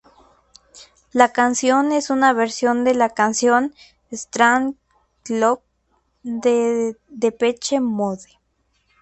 La canción es una versión de la canción 'Strangelove' de Depeche Mode.